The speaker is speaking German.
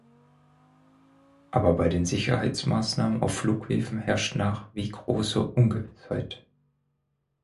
Aber bei den Sicherheitsmaßnahmen auf Flughäfen herrscht nach wie große Ungewissheit.